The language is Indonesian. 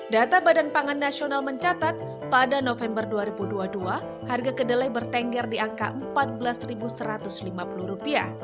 data badan pangan nasional mencatat pada november dua ribu dua puluh dua harga kedelai bertengger di angka rp empat belas satu ratus lima puluh